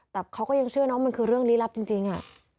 แต่เขาก็ยังเชื่อนะว่ามันคือเรื่องลี้ลับจริง